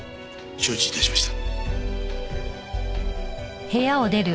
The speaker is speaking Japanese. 承知いたしました。